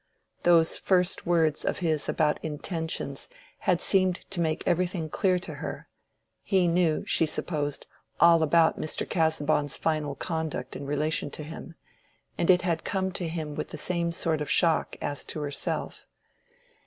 Those first words of his about his intentions had seemed to make everything clear to her: he knew, she supposed, all about Mr. Casaubon's final conduct in relation to him, and it had come to him with the same sort of shock as to herself.